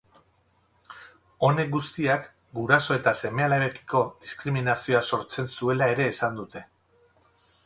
Honek guztiak, guraso eta seme-alabekiko diskriminazioa sortzen zuela ere esan dute.